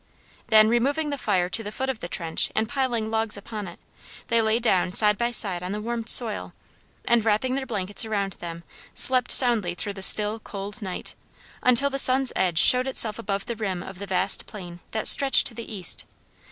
Then removing the fire to the foot of the trench and piling logs upon it, they lay down side by side on the warmed soil, and wrapping their blankets around them slept soundly through the still cold night, until the sun's edge showed itself above the rim of the vast plain that stretched to the east.